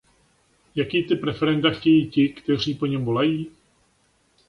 Jaký typ referenda chtějí ti, kteří po něm volají?